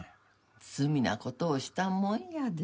罪な事をしたもんやで。